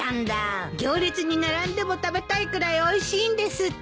行列に並んでも食べたいくらいおいしいんですって。